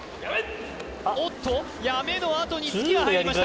おっと「止め」のあとに突きが入りました